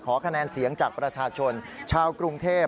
คะแนนเสียงจากประชาชนชาวกรุงเทพ